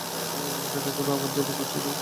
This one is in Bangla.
লন্ডনে এখন আমার জন্য কিছুই নেই।